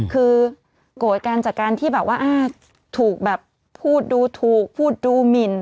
คือกฏกันจากการที่เปล่าว่าถูกแบบพูดดูถูกพูดดูเหมียน